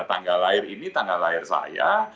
tanggal lahir ini tanggal lahir saya